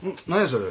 それ。